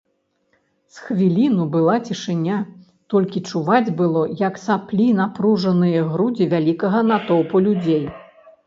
З хвіліну была цішыня, толькі чуваць было, як саплі напружаныя грудзі вялікага натоўпу людзей.